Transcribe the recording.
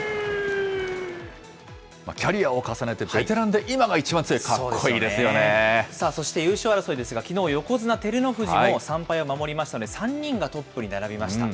キャリアを重ねてベテランで今が一番強い、かっこいいですよそして優勝争いですが、きのう、横綱・照ノ富士も３敗を守りましたんで、３人がトップに並びました。